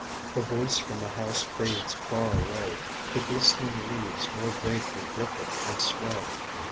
The voice from the house fades far away, The glistening leaves more vaguely ripple and sway